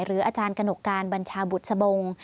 หรืออาจารย์กระหนกการบัญชาบุตรสบง